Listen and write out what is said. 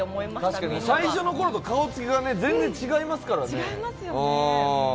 確かに最初のころと顔つきが全然違いますからね。